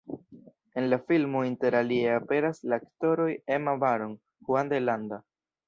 En la filmo interalie aperas la aktoroj Emma Baron, Juan de Landa.